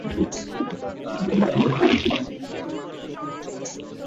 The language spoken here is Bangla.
আনোয়ার খান মুসা খানের সঙ্গে সম্মিলিতভাবে মুগল আগ্রাসন প্রতিহত করেন।